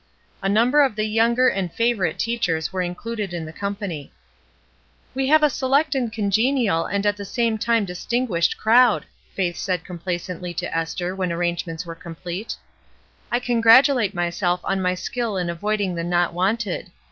A number of the younger and favorite teachers were included in the company. 118 HARMONY AND DISCORD 119 " We have a select and congenial and at the same time distinguished crowd/' Faith said complacently to Esther when arrangements were complete. "I congratulate myself on my skill in avoiding the not wanted.